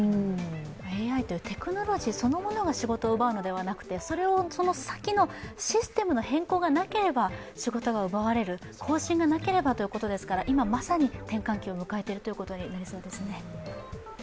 ＡＩってテクノロジーそのものが仕事を奪うのではなくてその先のシステムの変更がなければ仕事が奪われる、更新がなければということですから今、まさに転換期を迎えているということですね。